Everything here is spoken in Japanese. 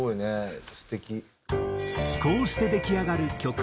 こうして出来上がる曲。